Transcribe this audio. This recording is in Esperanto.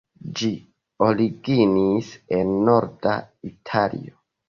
Ĝi originis en norda Italio.